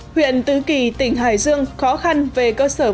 huyện tứ kỳ tỉnh hải dương khó khăn về cơ sở văn bản